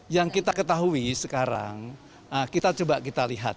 yang kita ketahui sekarang kita coba kita lihat